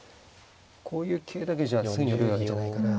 こういう桂だけじゃすぐによくなるんじゃないかな。